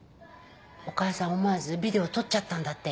思わずビデオ撮っちゃったんだって。